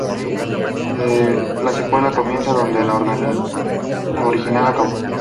La secuela comienza donde el original acabó.